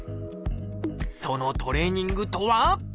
そのトレーニングとは？